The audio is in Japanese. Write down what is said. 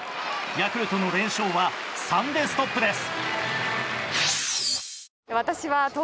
ヤクルトの連勝は３でストップです。